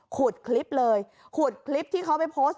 ขุดคลิปเลยขุดคลิปที่เขาไปโพสต์